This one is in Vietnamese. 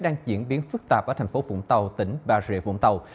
đang diễn biến phức tạp ở thành phố vũng tàu tỉnh bà rịa vũng tàu